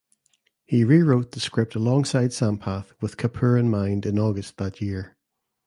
He rewrote the script alongside Sampath with Kapoor in mind in August that year.